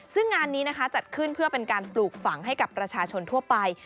ซึ่งงานนี้นะคะจัดขึ้นเพื่อเป็นการปลูกฝังให้กับประชาชนทั่วไป